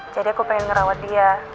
jadi aku pengen ngerawat dia